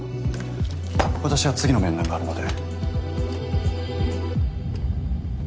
私は次の面談があるので。